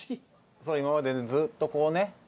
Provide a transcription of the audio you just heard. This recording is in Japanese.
今までねずっとこうね